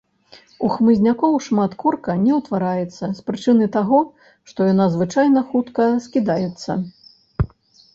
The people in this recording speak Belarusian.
У хмызнякоў шмат корка не ўтвараецца, з прычыны таго, што яна звычайна хутка скідаецца.